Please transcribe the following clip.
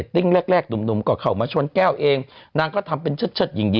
นี่นี่นี่นี่นี่นี่นี่นี่นี่นี่นี่นี่